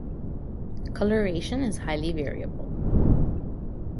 Coloration is highly variable.